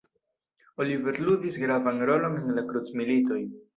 Oliver ludis gravan rolon en la krucmilitoj.